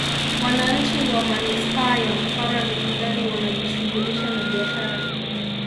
Wananchi wa Manispaa ya Mtwara Mikindani wanajishughulisha na biashara